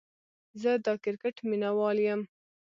زه دا کرکټ ميناوال يم